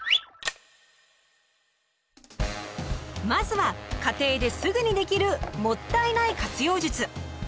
まずは家庭ですぐにできる「もったいない活用術」。